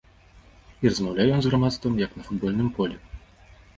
І размаўляе ён з грамадствам як на футбольным полі.